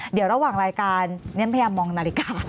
เดี๋ยวระหว่างรายการเรียนพยายามมองนาฬิกา